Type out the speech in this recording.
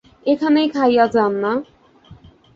এইখানেই খাইয়া যান-না।